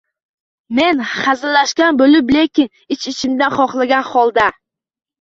Men xazillashgan boʻlib lekin ich-ichimdan xoxlagan xolda: